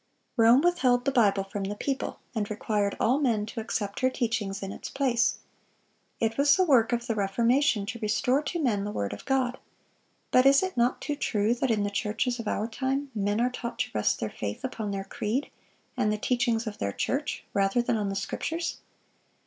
Rome withheld the Bible from the people, and required all men to accept her teachings in its place. It was the work of the Reformation to restore to men the word of God; but is it not too true that in the churches of our time men are taught to rest their faith upon their creed and the teachings of their church rather than on the Scriptures?